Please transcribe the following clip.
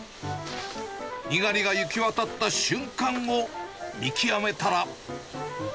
にがりが行き渡った瞬間を見極めたら。